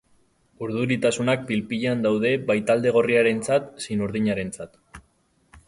Urduritasunak pil-pilean daude bai talde gorriarentzat zein urdinarentzat.